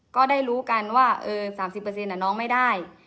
ก็ได้รู้กันว่าเออสามสิบเปอร์เซ็นต์อะน้องไม่ได้